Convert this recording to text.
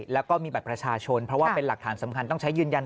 แล้วก็มีบัตรประชาชน